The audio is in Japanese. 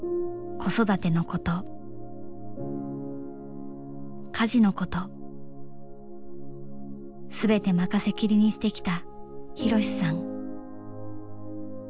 子育てのこと家事のこと全て任せ切りにしてきた博さん。